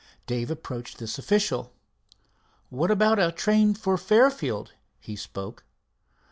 Dave approached this official. "What about a train for Fairfield?" he spoke.